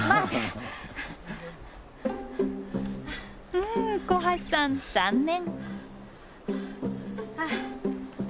うん小橋さん残念！